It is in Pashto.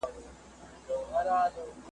په دې کورکي رنګ په رنګ وه سامانونه .